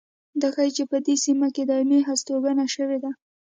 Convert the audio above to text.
دا ښيي چې په دې سیمه کې دایمي هستوګنه شوې ده